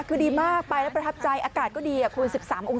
ตุนตุนตุนตุนตุนตุนตุนตุน